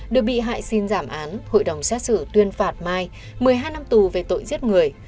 được bị hại xin giảm án hội đồng xét xử tuyên phạt mai một mươi hai năm tù về tội giết người